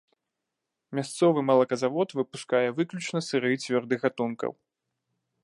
Мясцовы малаказавод выпускае выключна сыры цвёрдых гатункаў.